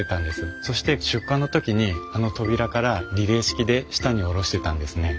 そして出荷の時にあの扉からリレー式で下に下ろしてたんですね。